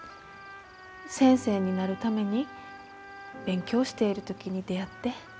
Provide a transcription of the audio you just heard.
先生になるために勉強している時に出会って。